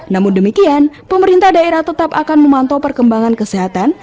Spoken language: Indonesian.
namun demikian pemerintah daerah tetap akan memantau perkembangan kesehatan